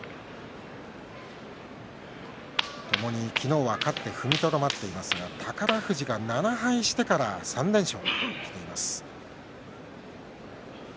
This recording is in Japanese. ともに昨日は勝って踏みとどまっていますが宝富士が７敗してから３連勝しています。